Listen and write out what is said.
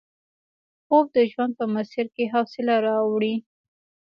خوب د ژوند په مسیر کې حوصله راوړي